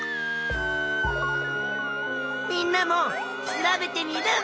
みんなも調べテミルン！